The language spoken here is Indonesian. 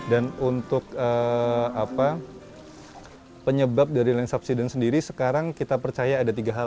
dan untuk penyebab dari lensubsidens sendiri sekarang kita percaya ada tiga hal